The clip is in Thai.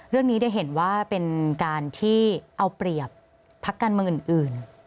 เรื่องนี้ได้เห็นว่าเป็นการที่เอาเปรียบพักการเมืองอื่น